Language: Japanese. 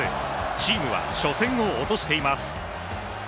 チームは初戦を落としています。